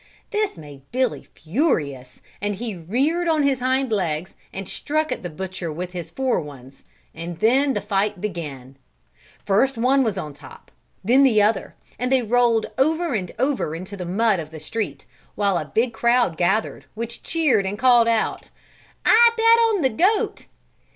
This made Billy furious and he reared on his hind legs and struck at the butcher with his fore ones, and then the fight began; first one was on top, then the other, and they rolled over and over into the mud of the street, while a big crowd gathered, which cheered and called out: "I bet on the goat!"